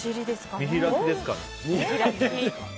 見開きですかね。